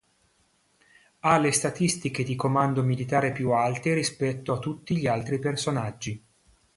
Ha le statistiche di comando militare più alte rispetto a tutti gli altri personaggi.